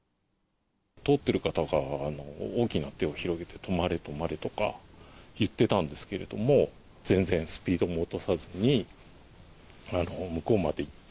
通ってる方が大きな手を広げて、止まれ、止まれとか言ってたんですけれども、全然スピードも落とさずに、向こうまで行って。